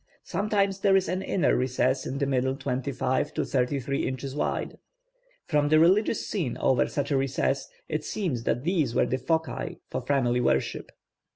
Sometimes there is an inner recess in the middle twenty five to thirty three inches wide. From the religious scene over such a recess it seems that these were the foci for family worship.